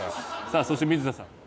さあそして水田さん。